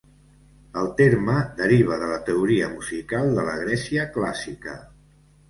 El terme deriva de la teoria musical de la Grècia clàssica.